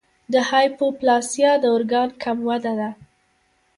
د هایپوپلاسیا د ارګان کم وده ده.